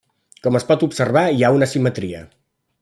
Com es pot observar, hi ha una simetria.